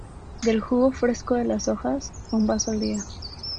Del jugo fresco de las hojas, un vaso al día.